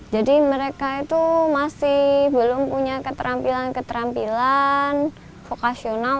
jadi mereka itu masih belum punya keterampilan keterampilan vokasional